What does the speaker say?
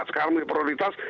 sekarang punya prioritas